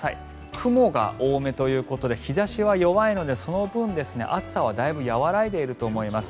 雲が多めということで日差しは弱いのでその分、暑さはだいぶ和らいでいると思います。